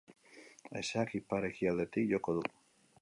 Haizeak ipar-ekialdetik joko du.